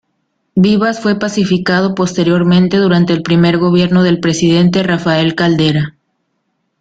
Vivas fue pacificado posteriormente durante el primer gobierno del presidente Rafael Caldera.